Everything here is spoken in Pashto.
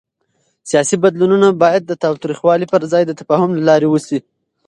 سیاسي بدلون باید د تاوتریخوالي پر ځای د تفاهم له لارې وشي